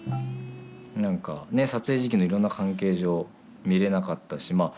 何か撮影時期のいろんな関係上見れなかったしまあ